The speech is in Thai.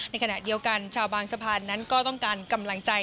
ในขณะเดียวกันชาวบางสะพานนั้นก็ต้องการกำลังใจ